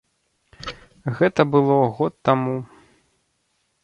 Гэта было год таму.